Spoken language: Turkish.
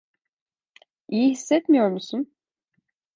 İyi hissetmiyor musun?